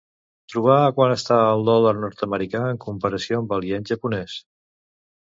Trobar a quant està el dòlar nord-americà en comparació amb el ien japonès.